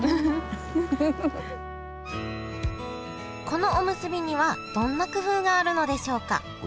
このおむすびにはどんな工夫があるのでしょうか？